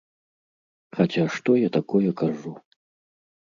Хаця што я такое кажу?